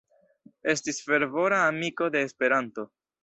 Estis fervora amiko de Esperanto.